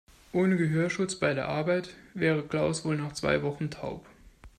Ohne Gehörschutz bei der Arbeit wäre Klaus wohl nach zwei Wochen taub.